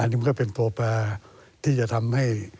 อันนี้มันก็เป็นตัวแปรที่จะทำให้